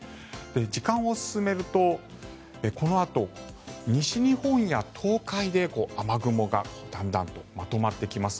時間を進めるとこのあと西日本や東海で雨雲がだんだんとまとまってきます。